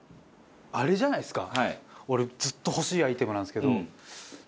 あれじゃないですか？